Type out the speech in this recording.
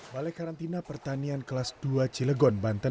balai karantina pertanian kelas dua cilegon banten